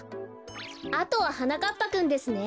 あとははなかっぱくんですね。